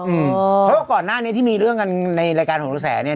เพราะว่าก่อนหน้านี้ที่มีเรื่องกันในรายการของกระแสเนี่ย